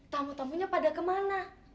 tamu tamunya pada kemana